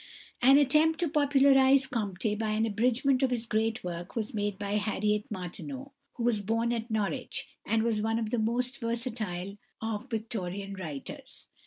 An attempt to popularise Comte by an abridgment of his great work was made by =Harriet Martineau (1802 1876)=, who was born at Norwich, and was one of the most versatile of Victorian writers.